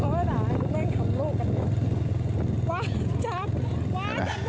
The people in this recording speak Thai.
ว้าวจับว้าวจับแน่น